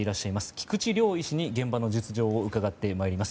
菊池亮医師に現場の実情を伺ってまいります。